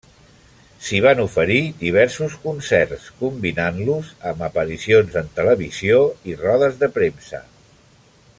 S'hi van oferir diversos concerts combinant-los amb aparicions en televisió i rodes de premsa.